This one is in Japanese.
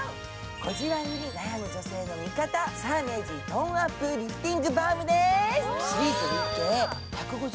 小じわに悩む女性の味方、サーメージトーンアップリフティングバームです。